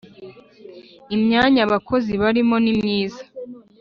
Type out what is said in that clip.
imyanya abakozi barimo nimyiza